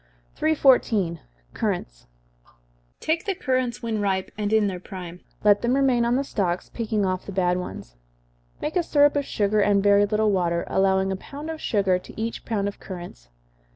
314. Currants. Take the currants when ripe and in their prime let them remain on the stalks, picking off the bad ones. Make a syrup of sugar, and very little water, allowing a pound of sugar to each pound of currants.